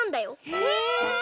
え